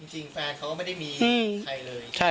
จริงแฟนเขาก็ไม่ได้มีใครเลย